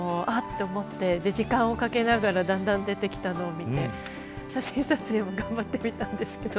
時間をかけながらだんだん出てきたのを見て写真撮影も頑張ってみたんですけど